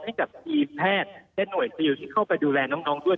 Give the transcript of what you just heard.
ให้กับทีมแพทย์และหน่วยซิลที่เข้าไปดูแลน้องด้วย